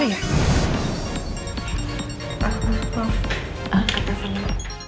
ini nomor siapa ya